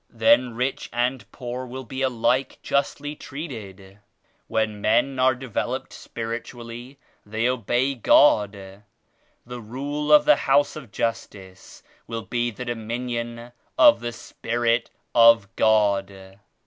Then rich and poor will be alike justly treated. When men are developed spiritually they obey God. The rule of the House of Justice will be the dominion of the Spirit of God.